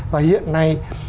và hiện nay